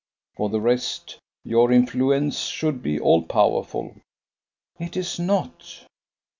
"For the rest, your influence should be all powerful." "It is not."